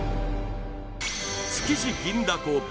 築地銀だこＶＳ